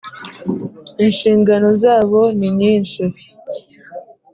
inshingano zabo ninyishi.